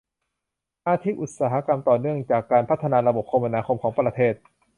อาทิอุตสาหกรรมต่อเนื่องจากการพัฒนาระบบคมนาคมของประเทศ